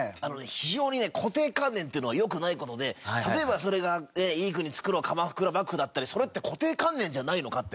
非常にね固定観念っていうのはよくない事で例えばそれが「いい国作ろう鎌倉幕府」だったりそれって固定観念じゃないのかって。